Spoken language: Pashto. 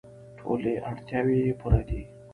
ټولې اړتیاوې یې پوره دي.